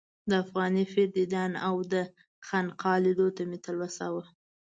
د افغاني پیر دیدن او د خانقا لیدلو ته مې تلوسه وه.